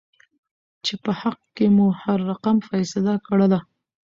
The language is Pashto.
چې په حق کې مو هر رقم فيصله کړله.